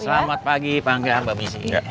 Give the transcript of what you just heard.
selamat pagi panggil mbak misi